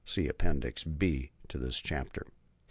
[See Appendix B to this chapter.